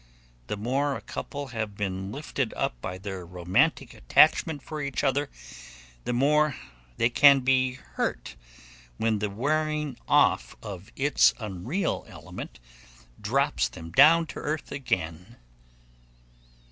The more a couple have been lifted up by their romantic attachment for each other, the more they can be hurt when the wearing out of its unreal element drops them to earth again.